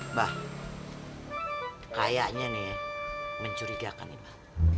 mbah kayaknya nih ya mencurigakan nih mbak